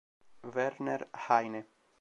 Werner Heine